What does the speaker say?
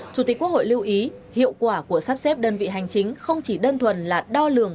chủ tịch quốc hội lưu ý hiệu quả của sắp xếp đơn vị hành chính không chỉ đơn thuần là đo lường